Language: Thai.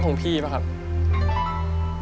โชคชะตาโชคชะตา